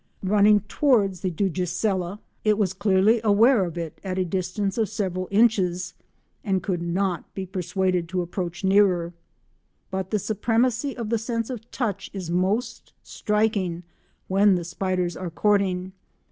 Running towards the Dugesiella it was clearly aware of it at a distance of several inches, and could not be persuaded to approach nearer. But the supremacy of the sense of touch is most striking when the spiders are courting.